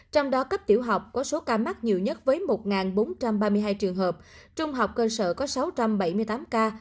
trong đó cấp tiểu học có số ca mắc nhiều nhất với một bốn trăm ba mươi hai trường hợp trung học cơ sở có sáu trăm bảy mươi tám ca